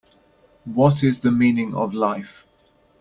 What is the meaning of life?